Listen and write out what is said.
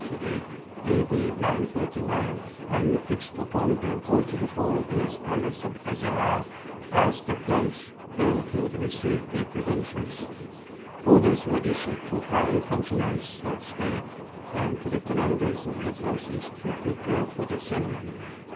949], and fixed upon the vaulted hall in his palace of Ez Zahrā as the place where he would receive their credentials, orders were issued to the high functionaries of State and to the commanders of the forces to prepare for the ceremony.